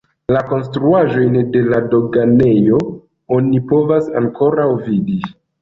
La konstruaĵojn de la doganejo oni povas ankoraŭ vidi.